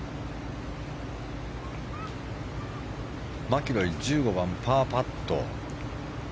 マキロイ１５番、パーパット。